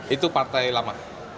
itu partai lama